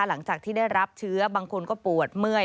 หลังจากที่ได้รับเชื้อบางคนก็ปวดเมื่อย